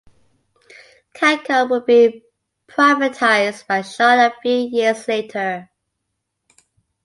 Cancom would be privatized by Shaw a few years later.